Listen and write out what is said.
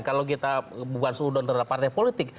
kalau kita bukan seudah udahan partai politik